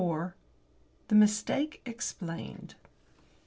THE MISTAKE EXPLAINED.